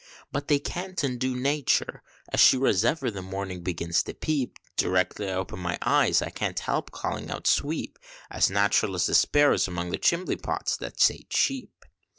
But they can't undo natur as sure as ever the morning begins to peep, Directly I open my eyes, I can't help calling out Sweep As natural as the sparrows among the chimbley pots, that say Cheep!